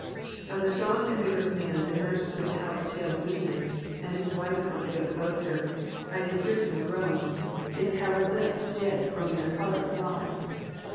Of the strong and vigorous man %\\q nurse could tell a tale of weakness, and his wife could say of the boaster, *^ I did hear him groan ; his coward lips did from their colour fly."